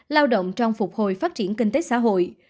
lao động trong phục hồi phát triển kinh tế xã hội